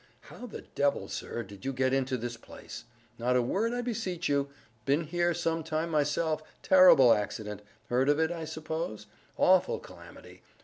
—How the devil sir, did you get into this place?—not a word I beseech you—been here some time myself—terrible accident!—heard of it, I suppose?—awful calamity!